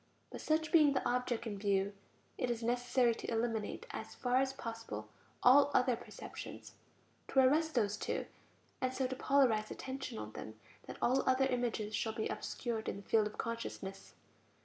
But such being the object in view, it is necessary to eliminate as far as possible all other perceptions, to arrest those two, and so to polarize attention on them that all other images shall be obscured in the field of consciousness.